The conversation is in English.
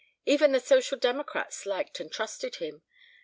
Even the Social Democrats liked and trusted him.